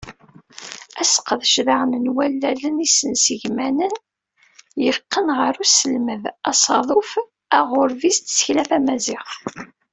Asqerdec daɣen n wallalen isensegmanen, yeqqnen ɣer uselmed, asaḍuf aɣurbiz d tsekla tamaziɣt.